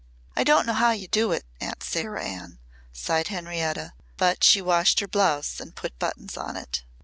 "I don't know how you do it, Aunt Sarah Ann," sighed Henrietta. But she washed her blouse and put buttons on it.